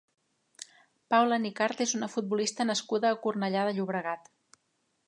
Paula Nicart és una futbolista nascuda a Cornellà de Llobregat.